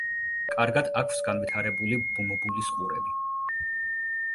კარგად აქვს განვითარებული ბუმბულის „ყურები“.